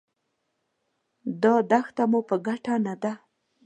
دا دښته مو په ګټه نه ده.